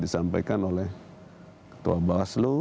disampaikan oleh ketua bawaslu